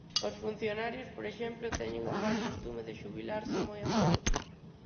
Os funcionarios, por exemplo, teñen o mal costume de xubilarse moi amodo.